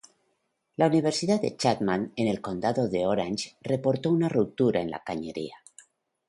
La Universidad Chapman en el condado de Orange reportó una ruptura en la cañería.